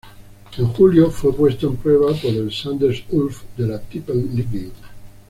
En julio, fue puesto en prueba por el Sandnes Ulf de la Tippeligaen.